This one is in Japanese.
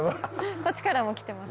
こっちからも来てます。